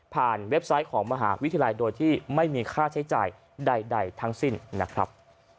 เว็บไซต์ของมหาวิทยาลัยโดยที่ไม่มีค่าใช้จ่ายใดทั้งสิ้นนะครับ